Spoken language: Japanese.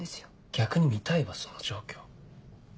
逆に見たいわその状況。